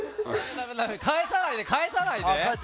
駄目駄目返さないで返さないで。